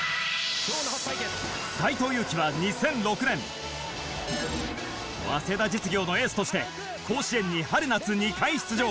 斎藤佑樹は２００６年早稲田実業のエースとして甲子園に春夏２回出場。